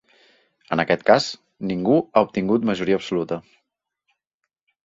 En aquest cas, ningú ha obtingut majoria absoluta.